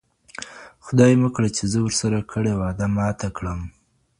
خدای مکړه چي زه ور سره کړې وعده ماته کړم